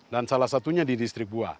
dan salah satunya di distrik bua